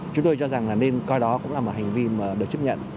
chúng tôi cho rằng là nên coi đó cũng là một hành vi mà được chấp nhận